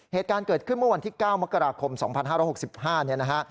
เหตุการณ์เกิดขึ้นเมื่อวันที่๙มกราคม๒๕๖๕เนี่ยนะฮะ